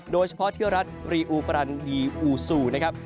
โดยเฉพาะเที่ยวรัฐรีอูฟรันดีอูซูนะครับ